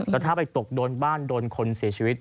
แล้วถ้าไปตกโดนบ้านโดนคนเสียชีวิต